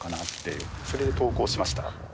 ってそれで投稿しました。